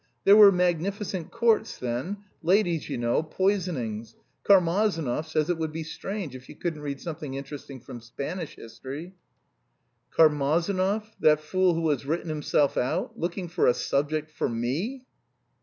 There were magnificent courts then; ladies, you know, poisonings. Karmazinov says it would be strange if you couldn't read something interesting from Spanish history." "Karmazinov that fool who has written himself out looking for a subject for me!"